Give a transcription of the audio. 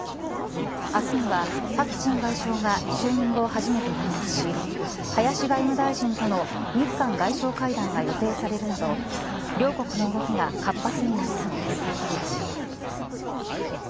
明日には朴振外相が就任後、初めて来日し林外務大臣との日韓外相会談が予定されるなど、両国の動きが予定されるなど活発になりそうです。